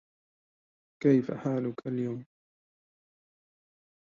ليس لديه غرفة ولا قبو.